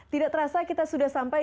tidak terasa kita sudah sampai